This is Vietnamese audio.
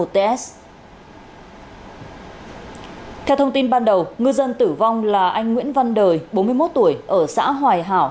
theo thông tin ban đầu ngư dân tử vong là anh nguyễn văn đời bốn mươi một tuổi ở xã hoài hảo